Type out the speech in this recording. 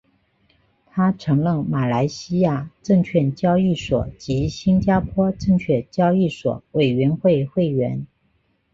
他曾任马来西亚证券交易所及新加坡证券交易所委员会会员。